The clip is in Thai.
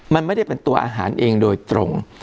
มันไม่ได้เป็นตัวอาหารเองโดยตรง